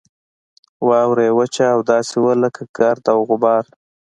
واوره یې وچه او داسې وه لکه ګرد او غبار.